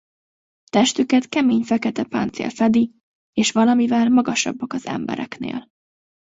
Testüket kemény fekete páncél fedi és valamivel magasabbak az embereknél.